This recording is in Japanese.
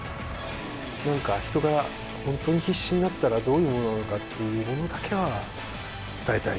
なんか人が本当に必死になったらどういうものなのかっていうものだけは伝えたい。